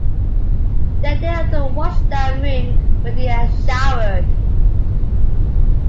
Then they enter a wash-down room where they are showered.